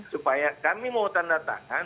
supaya kami mau tanda tangan